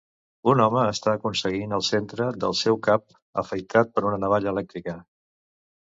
Un home està aconseguint el centre del seu cap afaitat per una navalla elèctrica